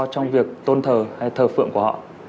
trong việc tôn thờ hay thờ phượng của họ